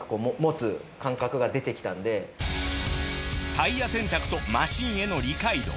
タイヤ選択とマシンへの理解度。